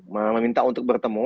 meminta untuk bertemu